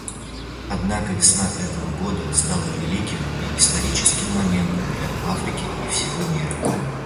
Однако весна этого года стала великим и историческим моментом для Африки и всего мира.